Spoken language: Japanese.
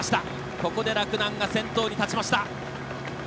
ここで洛南が先頭に立ちました。